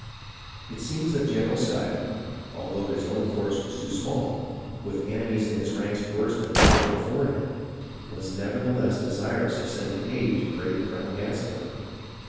It seems that General Schuyler, although his own force was too small, with enemies in his ranks worse than the foe before him, was nevertheless desirous of sending aid to brave Colonel Gansevoort.